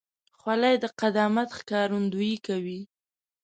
خولۍ د قدامت ښکارندویي کوي.